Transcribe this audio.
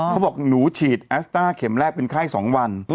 เขาบอกหนูฉีดแอสต้าเข็มแรกเป็นไข้๒วัน